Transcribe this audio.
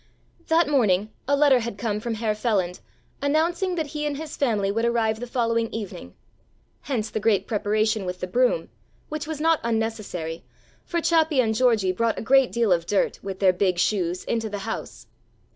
That morning a letter had come from Herr Feland announcing that he and his family would arrive the following evening,—hence the great preparation with the broom, which was not unnecessary, for Chappi and Georgie brought a great deal of dirt, with their big shoes, into the house.